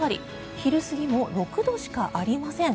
昼過ぎも６度しかありません。